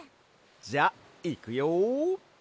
じゃあいくよ！